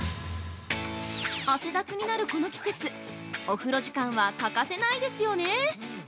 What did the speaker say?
汗だくになるこの季節お風呂時間は欠かせないですよね。